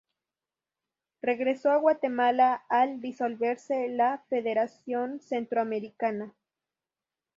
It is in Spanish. Regresó a Guatemala al disolverse la Federación centroamericana.